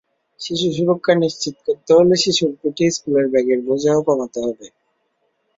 শিশু সুরক্ষা নিশ্চিত করতে হলে শিশুর পিঠে স্কুল ব্যাগের বোঝাও কমাতে হবে।